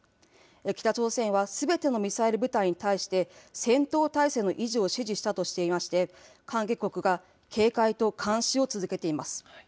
北朝鮮はすべてのミサイル部隊に対して、戦闘態勢の維持を指示したとしていまして、関係国が警戒と監視を続けています。